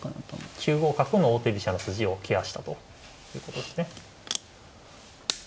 ９五角の王手飛車の筋をケアしたということですね。